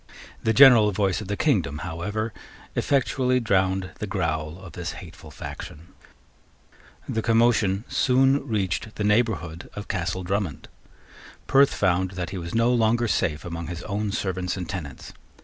The general voice of the kingdom, however, effectually drowned the growl of this hateful faction. The commotion soon reached the neighbourhood of Castle Drummond. Perth found that he was no longer safe among his own servants and tenants.